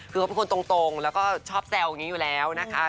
คือเขาเป็นคนตรงแล้วก็ชอบแซวอย่างนี้อยู่แล้วนะคะ